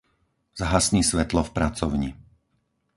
Zhasni svetlo v pracovni.